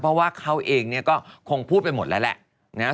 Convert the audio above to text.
เพราะว่าเขาเองเนี่ยก็คงพูดไปหมดแล้วแหละนะครับ